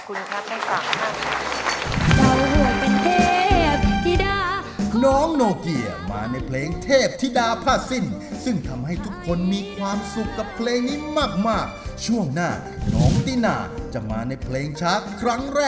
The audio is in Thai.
ขอบคุณครับแม่ฝากมาก